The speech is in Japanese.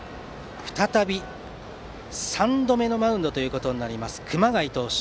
再び、３度目のマウンドとなります熊谷投手。